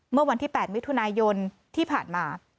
เมื่อวันที่๘มิถุนายนที่ผ่านมา